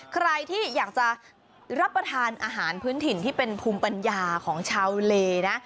ใครที่อยากจะรับประทานอาหารพื้นถิ่นที่เป็นภูมิปัญญาของชาวเลนะ